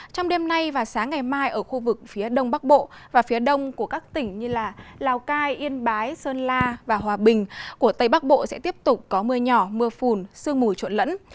trong đêm nay và sáng ngày mai ở khu vực phía đông bắc bộ và phía đông của các tỉnh như lào cai yên bái sơn la và hòa bình của tây bắc bộ sẽ tiếp tục có mưa nhỏ mưa phùn sương mù trộn lẫn